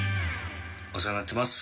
お世話になってます。